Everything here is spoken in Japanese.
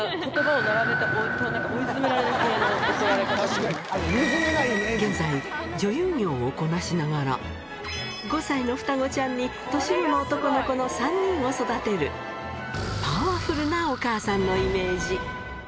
ことばを並べて追い詰められ現在、女優業をこなしながら、５歳の双子ちゃんに年子の男の子の３人を育てる、パワフルなお母さんのイメージ。